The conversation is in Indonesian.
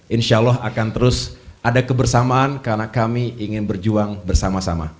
insya allah akan terus ada kebersamaan karena kami ingin berjuang bersama sama